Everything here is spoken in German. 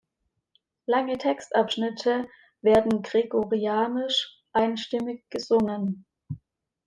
Lange Textabschnitte werden gregorianisch einstimmig gesungen.